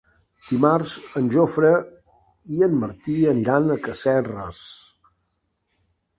Dimarts en Jofre i en Martí aniran a Casserres.